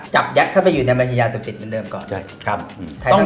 จับยัดเข้าไปอยู่ในบัญชียาเสพติดเหมือนเดิมก่อน